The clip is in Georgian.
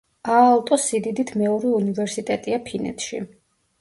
აალტო სიდიდით მეორე უნივერსიტეტია ფინეთში.